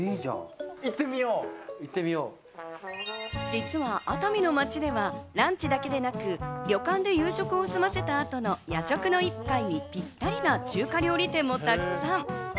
実は熱海の町ではランチだけでなく、旅館で夕食を済ませた後の夜食の一杯にぴったりな中華料理店もたくさん。